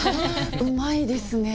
うまいですね。